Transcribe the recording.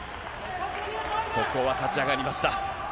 ここは立ち上がりました。